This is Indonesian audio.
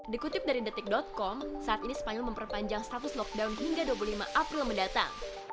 dikutip dari detik com saat ini spanyol memperpanjang status lockdown hingga dua puluh lima april mendatang